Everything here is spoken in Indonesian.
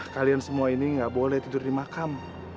kalian semua ini nggak boleh tidur di makam